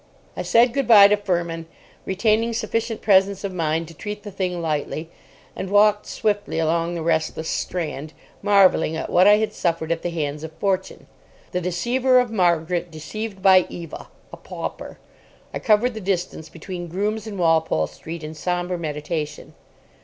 I said good bye to Fermin, retaining sufficient presence of mind to treat the thing lightly, and walked swiftly along the restless Strand, marvelling at what I had suffered at the hands of Fortune. The deceiver of Margaret, deceived by Eva, a pauper! I covered the distance between Groom's and Walpole Street in sombre meditation.